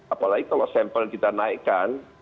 apalagi kalau sampel kita naikkan